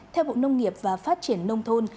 theo bộ nông nghiệp và phát triển nông thôn